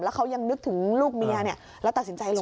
เขายังนึกถึงลูกเมียแล้วตัดสินใจลง